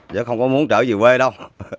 với không có muốn trở về quê đâu